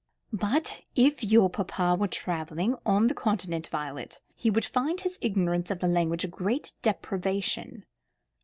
"But if your papa were travelling on the Continent, Violet, he would find his ignorance of the language a great deprivation."